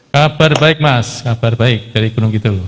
kabar baik mas kabar baik dari gunung kidul